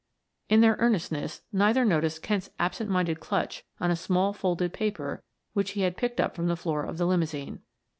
In their earnestness neither noticed Kent's absent minded clutch on a small folded paper which he had picked up from the floor of the limousine.